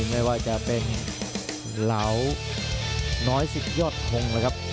ไม่ว่าจะเป็นเหลาน้อยสิทธิ์ยอดทงนะครับ